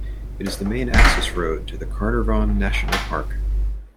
It is the main access road to the Carnarvon National Park.